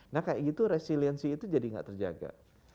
nah kayak gitu resiliensi itu jadi nggak terjaga